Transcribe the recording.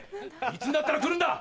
いつになったら来るんだ！